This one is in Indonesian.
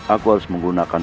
aku harus menggunakan